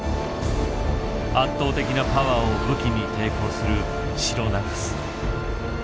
圧倒的なパワーを武器に抵抗するシロナガス。